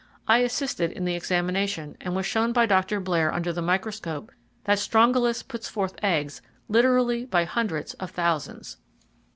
I assisted in the examination, and was shown by Dr. Blair, under the microscope, that Strongylus puts forth eggs literally by hundreds of thousands!